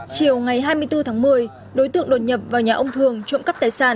chiều ngày hai mươi bốn tháng một mươi đối tượng đột nhập vào nhà ông thường trộm cắp tài sản